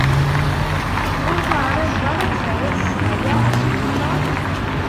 Ur teεriḍeḍ ara ad d-tawiḍ ssḍa-ya s ugiṭar?